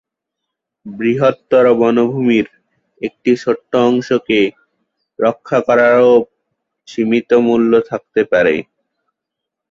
বৃহত্তর বনভূমির একটি ছোট অংশকে রক্ষা করারও সীমিত মূল্য থাকতে পারে।